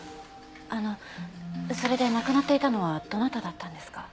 あのそれで亡くなっていたのはどなただったんですか？